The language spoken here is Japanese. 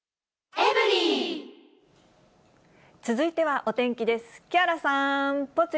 続いてはお天気です。